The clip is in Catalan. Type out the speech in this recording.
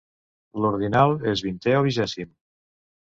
L'ordinal és vintè o vigèsim.